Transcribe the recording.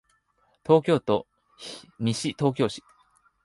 東京都西東京市